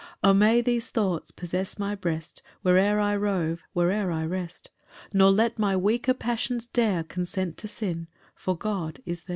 10 "O may these thoughts possess my breast, "Where'er I rove, where'er I rest! "Nor let my weaker passions dare "Consent to sin, for God is there."